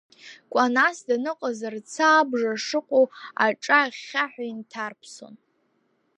Кәанас даныҟаз рца абжа шыҟоу аҿа ахьхьаҳәа инҭарԥсон.